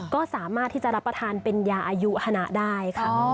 ก็สามารถที่จะรับประทานเป็นยาอายุฮนะได้ค่ะ